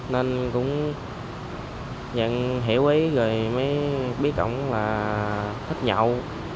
nên cũng nhận hiểu ý rồi mới biết cổng là thích nhậu